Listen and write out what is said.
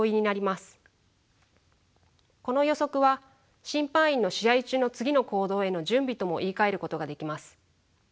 この予測は審判員の試合中の次の行動への準備とも言いかえることができます。